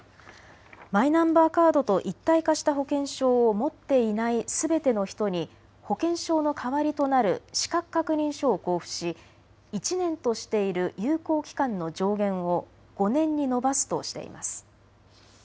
マイナンバーカードと一体化した保険証を持っていないすべての人に保険証の代わりとなる資格確認書を交付し１年としている有効期間の上限を５年に延ばすとしています。